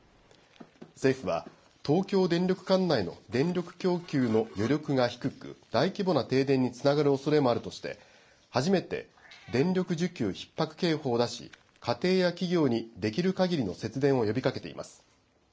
政府は東京電力管内の、電力供給の余力が低く大規模な停電につながるおそれもあるとして初めて電力需給ひっ迫警報を出し家庭や企業にできるかぎりの節電を呼びかけています。